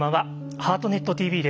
「ハートネットＴＶ」です。